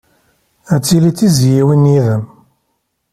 Ad tili d tizzyiwin yid-m.